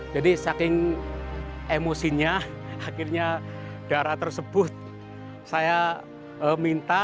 jadi saking emosinya akhirnya darah tersebut saya minta